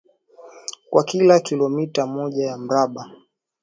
kwa kila kilometa moja ya mraba